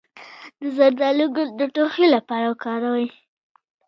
د زردالو ګل د ټوخي لپاره وکاروئ